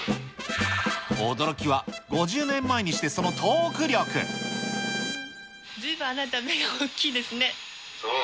驚きは５０年前にして、ずいぶんあなた、目が大きいそう？